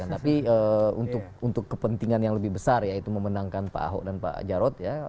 tapi untuk kepentingan yang lebih besar yaitu memenangkan pak ahok dan pak jarod ya